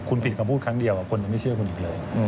คุณผิดคำพูดครั้งเดียวคนยังไม่เชื่อคุณอีกเลย